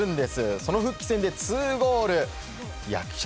その復帰戦で２ゴール。